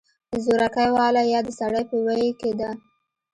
زورکۍ واله يا د سړۍ په ویي کې ده